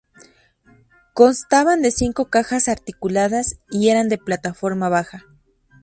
Constaban de cinco cajas articuladas y eran de plataforma baja.